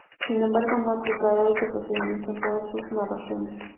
Sin embargo, no ha aplicado este procedimiento en todas sus narraciones.